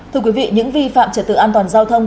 thưa quý vị những vi phạm trật tự an toàn giao thông